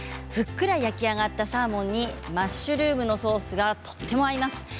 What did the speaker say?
ふっくら焼き上がったサーモンにマッシュルームのソースが合います。